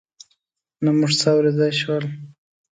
نه موږ څه اورېدای شول.